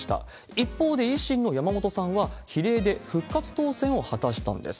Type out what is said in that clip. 一方で、維新の山本さんは比例で復活当選を果たしたんです。